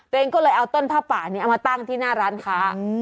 ตัวเองก็เลยเอาต้นผ้าป่านี้เอามาตั้งที่หน้าร้านค้า